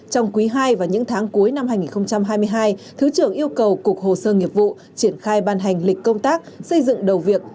trong quý ii và những tháng cuối năm hai nghìn hai mươi hai thứ trưởng yêu cầu cục hồ sơ nghiệp vụ triển khai ban hành lịch công tác xây dựng đầu việc